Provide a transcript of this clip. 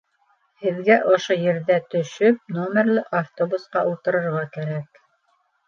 Һеҙгә ошо ерҙә төшөп,...номерлы автобусҡа ултырырға кәрәк